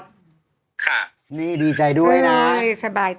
ค่ะสบายใจนะนี่ดีใจด้วยน่ะ